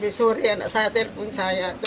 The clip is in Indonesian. tiga juta bayar hutangnya mamak